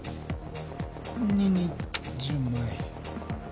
２に１０枚。